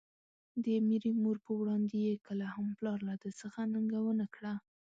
د ميرې مور په وړاندې يې کله هم پلار له ده څخه ننګه ونکړه.